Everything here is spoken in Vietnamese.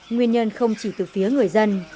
nguyên nhân không chỉ từ phía người dân